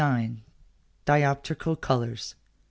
DIOPTRICAL COLOURS.